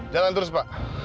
jalan terus pak